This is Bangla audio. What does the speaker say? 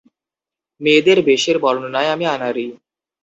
মেয়েদের বেশের বর্ণনায় আমি আনাড়ি।